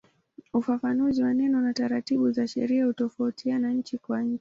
Ufafanuzi wa neno na taratibu za sheria hutofautiana nchi kwa nchi.